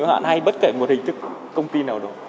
hay bất kể một hình thức công ty nào đó